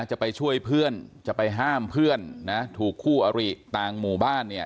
จะไปช่วยเพื่อนจะไปห้ามเพื่อนนะถูกคู่อริต่างหมู่บ้านเนี่ย